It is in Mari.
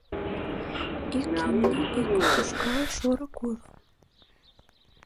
Ик имне, ик ушкал, шорык уло.